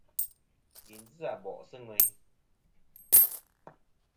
Dyèyn ji Abòʼ sɨ̂ ŋweyn.